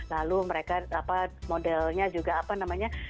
lalu mereka modelnya juga apa namanya